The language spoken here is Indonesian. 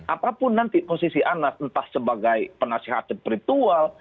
apapun nanti posisi anas entah sebagai penasehat spiritual